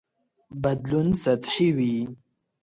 بدلون سطحي وي.